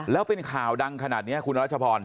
แล้วเป็นข่าวดังขนาดนี้คุณรัชพร